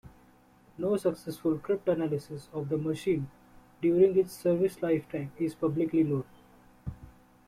No successful cryptanalysis of the machine during its service lifetime is publicly known.